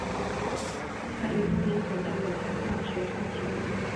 他于多年前在龙谷大学退学。